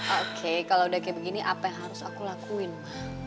oke kalau udah kayak begini apa yang harus aku lakuin